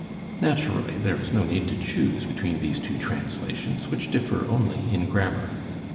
Naturally, there is no need to choose between these two translations, which differ only in grammar.